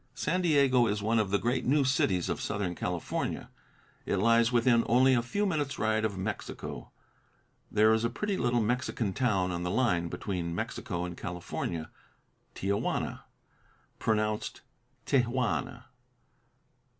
San Diego is one of the great new cities of Southern California. It lies within only a few minutes' ride of Mexico. There is a pretty little Mexican town on the line between Mexico and California Tia Juana pronounced Te Wanna.